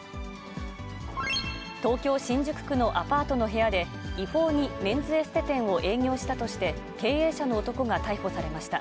東京・新宿区のアパートの部屋で、違法にメンズエステ店を営業したとして、経営者の男が逮捕されました。